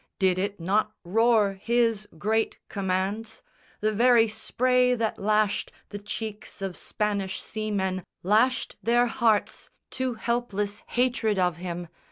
Did it not roar His great commands? The very spray that lashed The cheeks of Spanish seamen lashed their hearts To helpless hatred of him.